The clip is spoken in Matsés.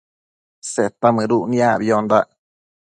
Seta mëduc niacbiondac